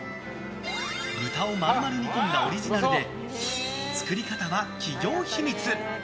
豚を丸々煮込んだオリジナルで作り方は企業秘密。